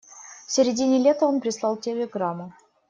В середине лета он прислал телеграмму.